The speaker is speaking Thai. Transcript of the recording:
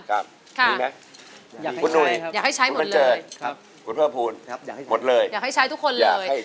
ค่ะอยากให้ใช้หมดเลยอยากให้ใช้ทุกคนเลย